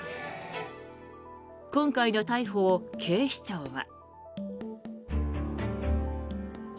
今回の逮捕を警視庁は。